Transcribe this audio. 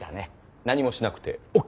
何もしなくてＯＫ。